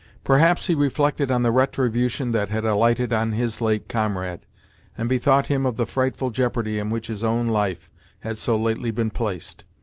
Perhaps he reflected on the retribution that had alighted on his late comrade, and bethought him of the frightful jeopardy in which his own life had so lately been placed.